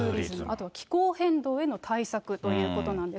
あと気候変動への対策ということなんです。